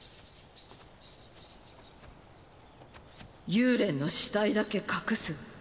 幽連の死体だけ隠す？